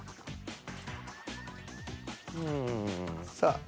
うん。さあ。